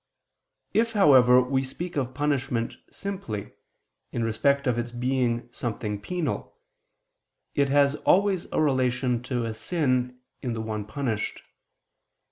If, however, we speak of punishment simply, in respect of its being something penal, it has always a relation to a sin in the one punished.